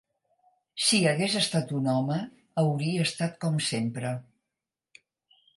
Si hagués estat un home, hauria estat com sempre.